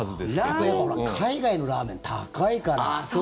あとやっぱり海外のラーメン高いから。